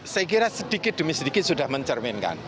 saya kira sedikit demi sedikit sudah mencerminkan